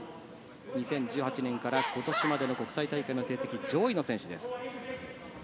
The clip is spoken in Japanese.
２０１８年から今年までの国際大会の成績上位の選手です。